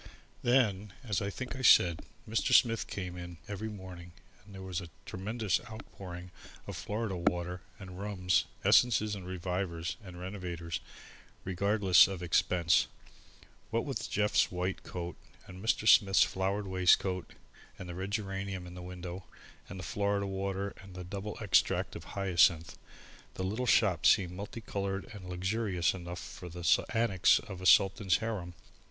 Then, as I think I said, Mr. Smith came in every morning and there was a tremendous outpouring of Florida water and rums, essences and revivers and renovators, regardless of expense. What with Jeff's white coat and Mr. Smith's flowered waistcoat and the red geranium in the window and the Florida water and the double extract of hyacinth, the little shop seemed multi coloured and luxurious enough for the annex of a Sultan's harem.